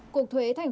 cục thuế tp hcm